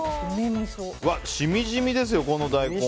染み染みですよ、この大根。